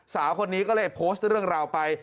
สาวคนนี้ก็เลยโพสต์เรื่องราวไป